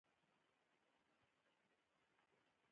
شتمن هغه دی چې د محتاج سترګې له امید نه ډکې کوي.